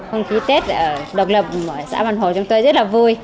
không khí tết ở độc lập xã bàn hồ chúng tôi rất là vui